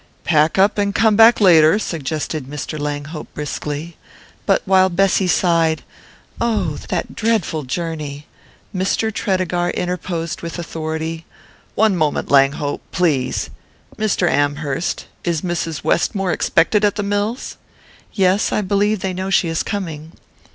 "Pack up and come back later," suggested Mr. Langhope briskly; but while Bessy sighed "Oh, that dreadful journey!" Mr. Tredegar interposed with authority: "One moment, Langhope, please. Mr. Amherst, is Mrs. Westmore expected at the mills?" "Yes, I believe they know she is coming."